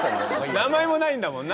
名前もないんだもんな。